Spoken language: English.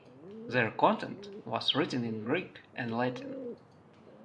Their content was written in Greek and Latin.